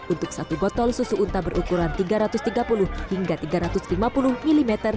untuk satu botol susu unta berukuran tiga ratus tiga puluh hingga tiga ratus lima puluh mm